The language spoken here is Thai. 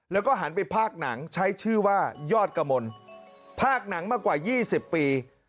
แล้วก็หันไปภาคหนังใช้ชื่อว่ายอดกมลภาคหนังมากว่า๒๐ปี